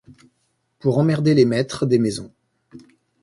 Pour emmerder les maîtres des maisons.